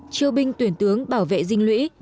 triều binh tuyển tướng bảo vệ dinh lũy